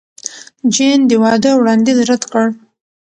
جین د واده وړاندیز رد کړ.